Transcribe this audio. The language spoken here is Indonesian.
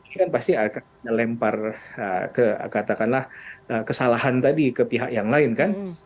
ini kan pasti akan melempar ke katakanlah kesalahan tadi ke pihak yang lain kan